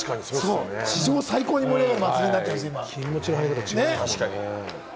史上最高に盛り上がる祭りになってますね。